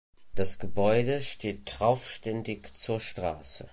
Das Gebäude steht traufständig zur Straße.